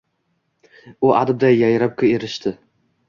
U adibday yayrab, kerishdi.